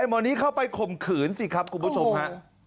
หมอนี้เข้าไปข่มขืนสิครับคุณผู้ชมฮะ